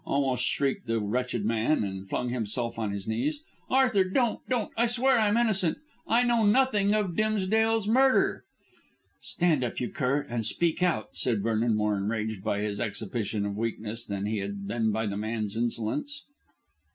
almost shrieked the wretched man, and flung himself on his knees. "Arthur, don't, don't. I swear I am innocent. I know nothing of Dimsdale's murder." "Stand up, you cur, and speak out," said Vernon, more enraged by this exhibition of weakness than he had been by the man's insolence.